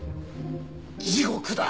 地獄だ！